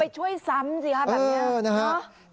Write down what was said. ไปช่วยซ้ำจริงครับแบบนี้